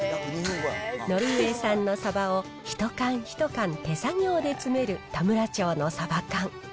ノルウェー産のサバを一缶一缶手作業で詰める田村長のサバ缶。